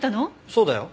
そうだよ。